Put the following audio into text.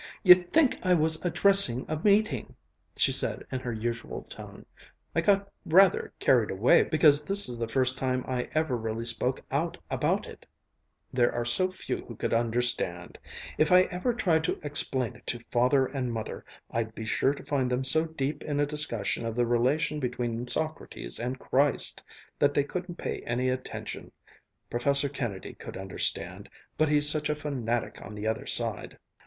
"You'd think I was addressing a meeting," she said in her usual tone. "I got rather carried away because this is the first time I ever really spoke out about it. There are so few who could understand. If I ever tried to explain it to Father and Mother, I'd be sure to find them so deep in a discussion of the relation between Socrates and Christ that they couldn't pay any attention! Professor Kennedy could understand but he's such a fanatic on the other side."